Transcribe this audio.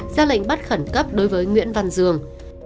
ra lệnh bắt khẩn cấp đối với nguyễn văn dương